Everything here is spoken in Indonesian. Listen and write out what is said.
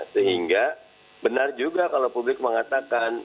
sehingga benar juga kalau publik mengatakan